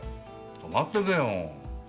泊まってけよ。